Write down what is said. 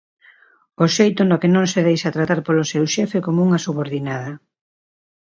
O xeito no que non se deixa tratar polo seu xefe como unha subordinada.